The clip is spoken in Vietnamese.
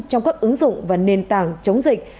trong các ứng dụng và nền tảng chống dịch